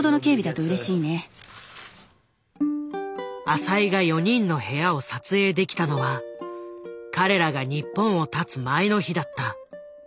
浅井が４人の部屋を撮影できたのは彼らが日本をたつ前の日だった。